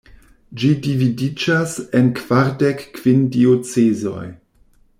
Ĝi dividiĝas en kvardek kvin diocezoj.